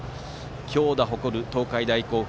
強打を誇る東海大甲府。